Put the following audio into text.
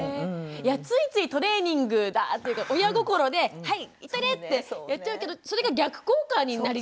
いやついついトレーニングだっていうか親心で「はい行っといで」ってやっちゃうけどそれが逆効果になる？